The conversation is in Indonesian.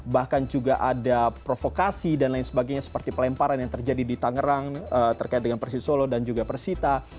bahkan juga ada provokasi dan lain sebagainya seperti pelemparan yang terjadi di tangerang terkait dengan persisolo dan juga persita